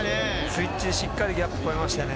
スイッチ、しっかりギャップ越えましたね。